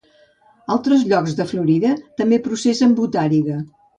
Altres llocs de Florida també processen botàriga.